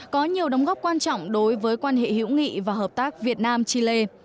có nhiều đóng góp quan trọng đối với quan hệ hữu nghị và hợp tác việt nam chile